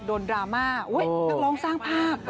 ดราม่านักร้องสร้างภาพ